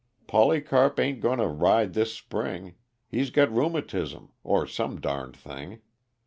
Polycarp ain't going to ride this spring; he's got rheumatism, or some darned thing.